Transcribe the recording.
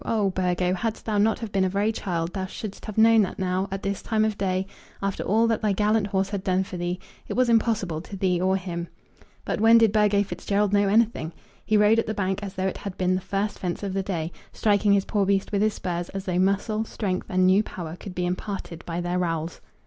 Oh, Burgo, hadst thou not have been a very child, thou shouldst have known that now, at this time of the day, after all that thy gallant horse had done for thee, it was impossible to thee or him. But when did Burgo Fitzgerald know anything? He rode at the bank as though it had been the first fence of the day, striking his poor beast with his spurs, as though muscle, strength, and new power could be imparted by their rowels.